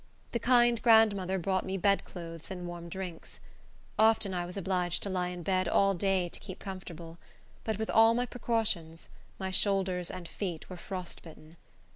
The kind grandmother brought me bedclothes and warm drinks. Often I was obliged to lie in bed all day to keep comfortable; but with all my precautions, my shoulders and feet were frostbitten.